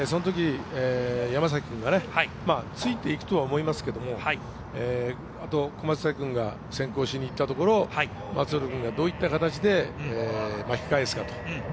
山崎君が、ついていくと思いますけれど、小松崎君が先行しにいったところを松浦君がどういった形で巻き返すか。